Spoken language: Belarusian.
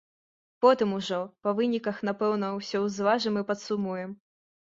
Потым ужо, па выніках, напэўна, усё ўзважым і падсумуем.